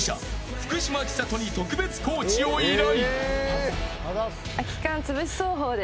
福島千里に特別コーチを依頼。